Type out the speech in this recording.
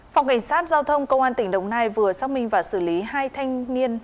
phòng cảnh sát giao thông công an tỉnh đồng nai vừa xác minh và xử lý hai thanh niên